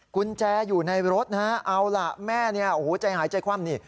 กุญแจอยู่ในรถนะฮะเอาล่ะแม่เนี่ยโอ้โหใจหายใจคว่ำนี่